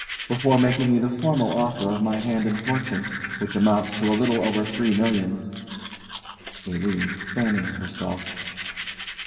Before making you the formal offer of my hand and fortune, which amounts to a little over three millions ALINE. [_Fanning herself.